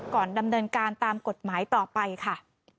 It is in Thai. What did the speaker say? ก่อนดำเนินการตามกฎหมายต่อไปค่ะ